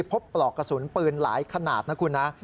ปลอกกระสุนปืนหลายขนาดนะคุณนะ